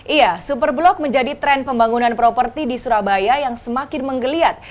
iya super blok menjadi tren pembangunan properti di surabaya yang semakin menggeliat